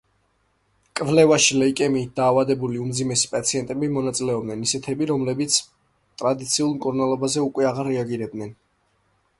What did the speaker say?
კვლევაში ლეიკემიით დაავადებული უმძიმესი პაციენტები მონაწილეობდნენ, ისეთები, რომლებიც ტრადიციულ მკურნალობაზე უკვე აღარ რეაგირებდნენ.